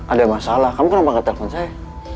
ada masalah kamu kenapa nge telepon saya